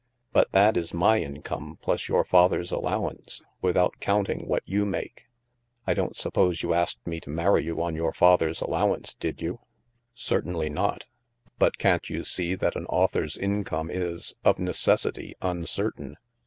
"But that is my income plus your father's al lowance, without counting what you make. I don't suppose you asked me to marry you on your father's allowance, did you ?"" Certainly not. But can't you see that an au thor's income is, of necessity, uncertain?